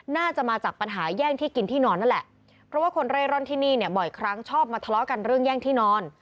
น่าจะมาจากปัญหาแย่งที่กินที่นอนนั่นแหละเพราะว่าคนเร่ร่อนที่นี่เนี่ยบ่อยครั้งชอบมาทะเลาะกันเรื่องแย่งที่นอน